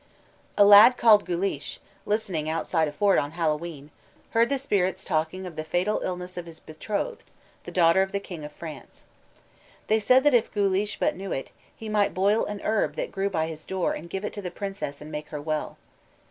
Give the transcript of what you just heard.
A lad called Guleesh, listening outside a fort on Hallowe'en heard the spirits speaking of the fatal illness of his betrothed, the daughter of the King of France. They said that if Guleesh but knew it, he might boil an herb that grew by his door and give it to the princess and make her well.